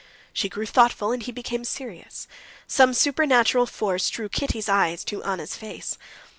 She grew thoughtful, and he became serious. Some supernatural force drew Kitty's eyes to Anna's face.